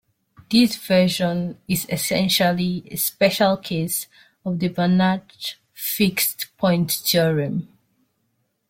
This version is essentially a special case of the Banach fixed point theorem.